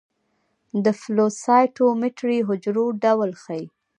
د فلو سايټومېټري حجرو ډول ښيي.